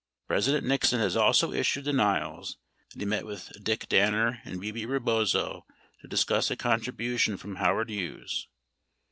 30 President Nixon has also issued denials that he met with Dick Danner and Bebe Eebozo to discuss a contribution from Howard Hughes.